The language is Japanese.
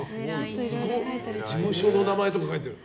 事務所の名前とか書いてる。